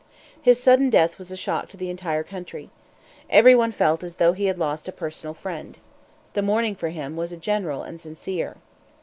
His sudden death was a shock to the entire country. Every one felt as though he had lost a personal friend. The mourning for him was general and sincere.